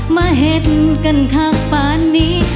มาเห็นกันคักป่านนี้